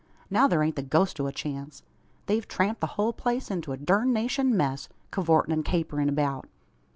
Now thur ain't the ghost o' a chance. They've tramped the hul place into a durnationed mess, cuvortin' and caperin' abeout.